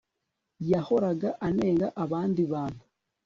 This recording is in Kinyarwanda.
Yahoraga anenga abandi bantu